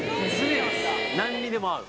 なんにでも合う。